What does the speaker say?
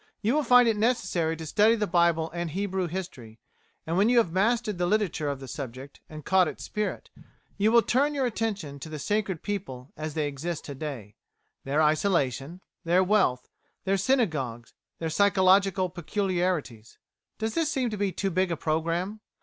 You will find it necessary to study the Bible and Hebrew history; and when you have mastered the literature of the subject and caught its spirit, you will turn your attention to the sacred people as they exist to day their isolation, their wealth, their synagogues, and their psychological peculiarities. Does this seem to be too big a programme?